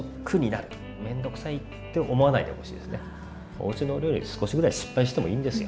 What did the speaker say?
おうちのお料理は少しぐらい失敗してもいいんですよ。